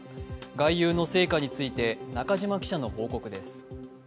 外遊の成果について中島記者の報告です。